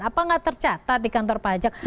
apa nggak tercatat di kantor pajak